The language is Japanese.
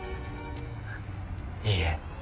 いいえ。